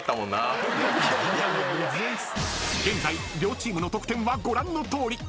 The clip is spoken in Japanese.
［現在両チームの得点はご覧のとおり］